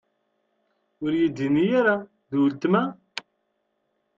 Ur iyi-d-inni ara: D ultma?